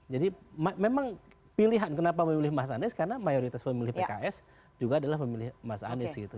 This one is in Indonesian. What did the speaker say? jadi memang pilihan kenapa memilih mas anies karena mayoritas pemilih pks juga adalah pemilih mas anies gitu